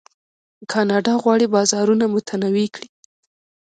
کاناډا غواړي بازارونه متنوع کړي.